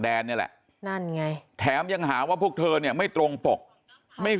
นี่แหละนั่นไงแถมยังหาว่าพวกเธอเนี่ยไม่ตรงปกไม่